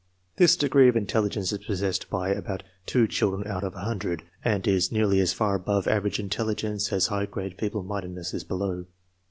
This degree of intelligence Is possessed by about children out of 100, and is nearly as far above average intelligence as high grade fechlc muulccinoss is below.